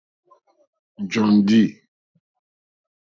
Jóndì.